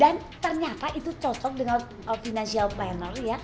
dan ternyata itu cocok dengan financial planner ya